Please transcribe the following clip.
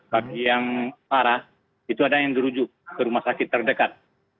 bagi yang parah itu ada yang dirujuk ke rumah sakit terdekat